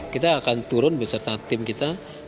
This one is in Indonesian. kita akan turun beserta tim kita